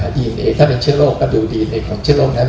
ว่าดินเอกส์ถ้าเป็นเชื้อโรคก็ดูดินเอกส์ของเชื้อโรคนั้น